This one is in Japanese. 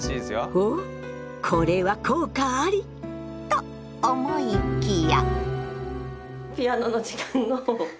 おっこれは効果あり？と思いきや。